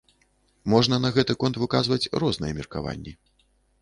Можна на гэты конт выказваць розныя меркаванні.